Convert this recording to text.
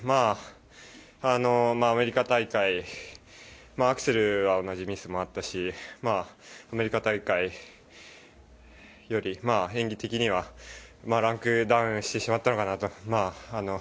アメリカ大会アクセルは同じミスもあったしアメリカ大会より演技的にはランクダウンしてしまったのかなと。